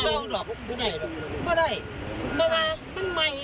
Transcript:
เรียนสิงหาด์กับ